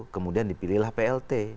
kemudian dipilihlah plt